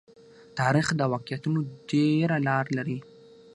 تاریخ د واقعیتونو ډېره لار لري.